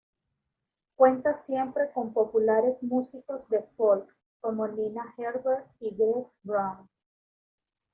Cuenta siempre con populares músicos de folk como Nina Gerber y Greg Brown.